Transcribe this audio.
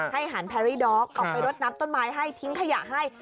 ให้อาหารแพรรี่ด๊อกออกไปรดนับต้นไม้ให้ทิ้งขยะให้